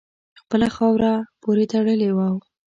خپله خاوره پوري تړلی وو.